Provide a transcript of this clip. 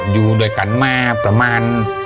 อยู่ด้วยกันมาประมาณ